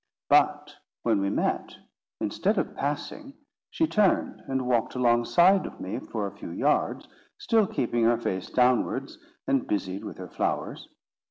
But when we met, instead of passing, she turned and walked alongside of me for a few yards, still keeping her face downwards, and busied with her flowers.